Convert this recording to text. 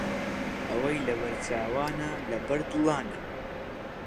ئەوەی لەبەر چاوانە، لەبەر دڵانە